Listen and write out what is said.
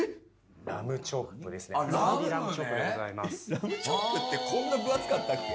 ラムチョップってこんな分厚かったっけ？